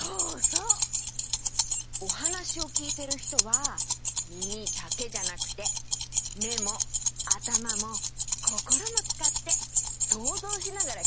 おはなしをきいてるひとはみみだけじゃなくてめもあたまもこころもつかってそうぞうしながらきいてるよ。